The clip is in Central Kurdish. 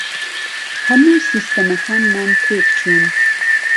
هەموو سیستەمەکانمان تێک چوون.